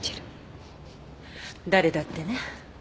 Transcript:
誰だってね。